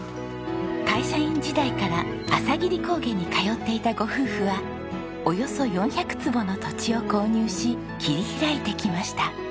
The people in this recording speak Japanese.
会社員時代から朝霧高原に通っていたご夫婦はおよそ４００坪の土地を購入し切り開いてきました。